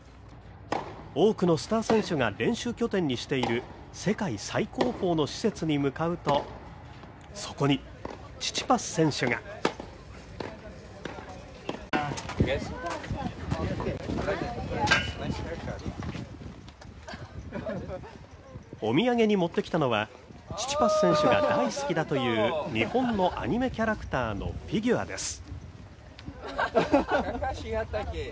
多くのスター選手が練習拠点にしている世界最高峰の施設に向かうと、そこにチチパス選手がお土産に持ってきたのはチチパス選手が大好きだという日本のアニメキャラクターのフィギュアです。